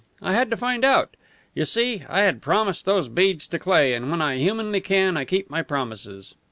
I had to find out. You see, I had promised those beads to Cleigh, and when I humanly can I keep my promises.